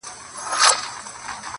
• چي پر مځکه خوځېدله د ده ښکار وو -